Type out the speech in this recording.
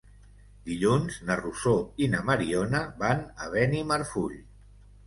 Dilluns na Rosó i na Mariona van a Benimarfull.